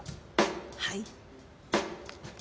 はい。